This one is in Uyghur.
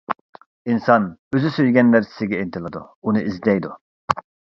ئىنسان ئۆزى سۆيگەن نەرسىسىگە ئىنتىلىدۇ، ئۇنى ئىزدەيدۇ.